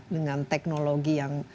dengan teknologi yang murah